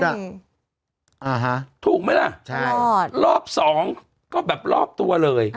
อ่าฮะถูกไหมล่ะใช่รอบสองก็แบบรอบตัวเลย